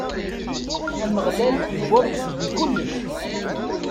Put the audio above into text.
Ameɣlal iburek-it di kullec.